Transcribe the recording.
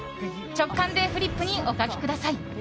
直感でフリップにお書きください。